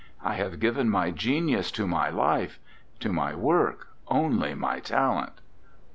I have given my genius to my life, to my work only my talent."